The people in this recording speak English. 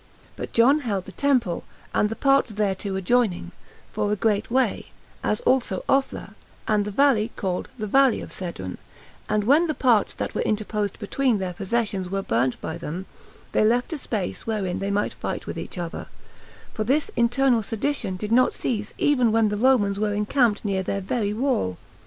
But John held the temple, and the parts thereto adjoining, for a great way, as also Ophla, and the valley called "the Valley of Cedron;" and when the parts that were interposed between their possessions were burnt by them, they left a space wherein they might fight with each other; for this internal sedition did not cease even when the Romans were encamped near their very wall.